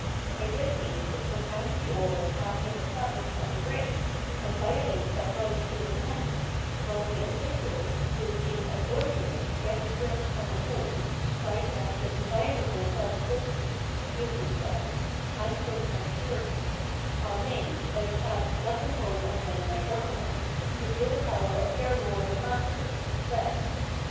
By this means it confounds the order that has been estabhshed and arranged, and violates that right to independence, while the individuals, (who, being ab sorbed therein, get adrift from the whole, striving after inviolable self existence {Fiirsichseyn) and personal security), are made, by the task thus imposed on them by government, to feel the power of their lord and master, death.